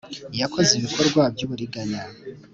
Yakoze ibikorwa by uburiganya